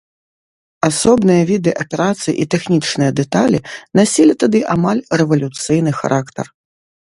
Асобныя віды аперацый і тэхнічныя дэталі насілі тады амаль рэвалюцыйны характар.